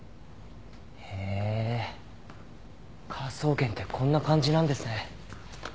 へえ科捜研ってこんな感じなんですね。